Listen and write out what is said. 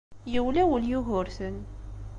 Yewlawel Yugurten.